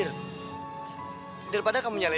lebih bagus kan